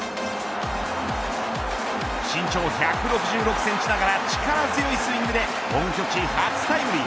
身長１６６センチながら力強いスイングで本拠地初タイムリー。